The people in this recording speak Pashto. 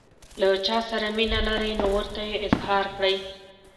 له چا سره مینه لرئ نو ورته یې اظهار کړئ.